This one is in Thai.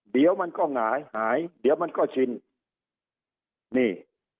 เดี๋ยวมันก็หงายหายเดี๋ยวมันก็ชินนี่